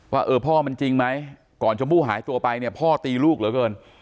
ว่าเออพ่อมันจริงไหมก่อนชมพู่หายตัวไปเนี่ยพ่อตีลูกเหลือเกิน